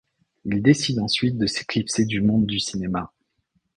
Il décide ensuite de s'éclipser du monde du cinéma.